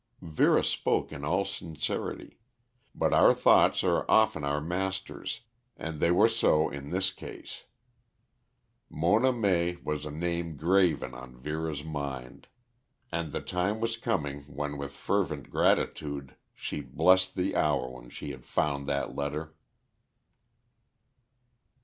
Vera spoke in all sincerity. But our thoughts are often our masters and they were so in this case. Mona May was a name graven on Vera's mind, and the time was coming when with fervent gratitude she blessed the hour when she had found that letter.